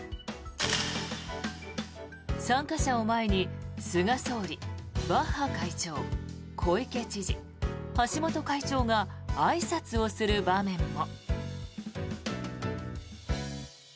参加者を前に菅総理、バッハ会長小池知事、橋本会長があいさつをする場面も。